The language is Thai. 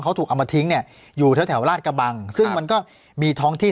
เขาถูกเอามาทิ้งเนี่ยอยู่แถวแถวราชกระบังซึ่งมันก็มีท้องที่